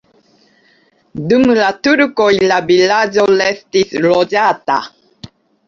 Dum la turkoj la vilaĝo restis loĝata.